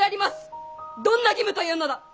どんな義務というのだ。